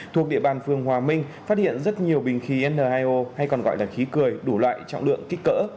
thuộc địa bàn phường hòa minh phát hiện rất nhiều bình khí n hai o hay còn gọi là khí cười đủ loại trọng lượng kích cỡ